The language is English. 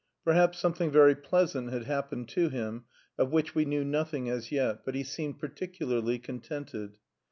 Perhaps something very pleasant had happened to him, of which we knew nothing as yet; but he seemed particularly contented.